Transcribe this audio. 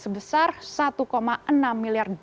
sebesar satu enam miliar dolar